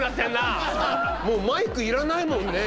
もうマイクいらないもんね。